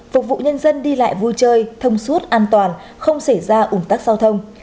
phục vụ nhân dân đi lại vui chơi thông suốt an toàn không xảy ra ủng tác giao thông